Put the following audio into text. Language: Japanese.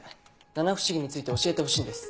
七不思議について教えてほしいんです。